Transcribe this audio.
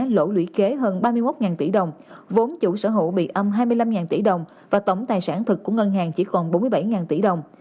lỗ lũy kế hơn ba mươi một tỷ đồng vốn chủ sở hữu bị âm hai mươi năm tỷ đồng và tổng tài sản thực của ngân hàng chỉ còn bốn mươi bảy tỷ đồng